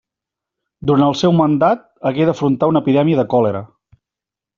Durant el seu mandat hagué d'afrontar una epidèmia de còlera.